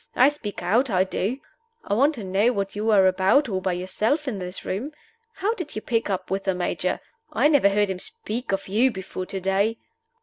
I speak out I do. I want to know what you are about all by yourself in this room? How did you pick up with the Major? I never heard him speak of you before to day."